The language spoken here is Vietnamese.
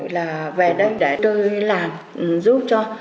là về đây để tôi làm giúp cho